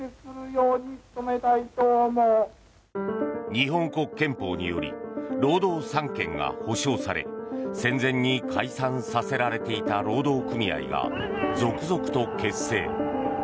日本国憲法により労働三権が保障され戦前に解散させられていた労働組合が続々と結成。